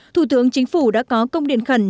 thủ tướng chính phủ đã có công điện khẩn